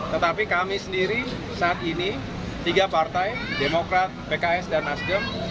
tetapi kami sendiri saat ini tiga partai demokrat pks dan nasdem